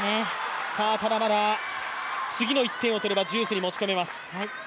ただまだ次の１点を取ればジュースに持ち込めます。